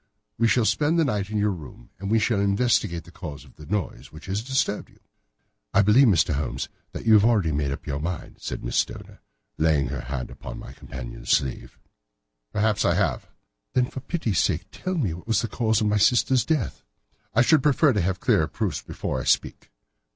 "We shall spend the night in your room, and we shall investigate the cause of this noise which has disturbed you." "I believe, Mr. Holmes, that you have already made up your mind," said Miss Stoner, laying her hand upon my companion's sleeve. "Perhaps I have." "Then, for pity's sake, tell me what was the cause of my sister's death." "I should prefer to have clearer proofs before I speak."